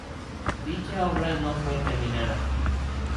Dicha obra no fue terminada.